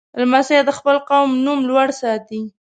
لمسی د خپل قوم نوم لوړ ساتي.